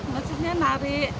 maksudnya ikut demo gitu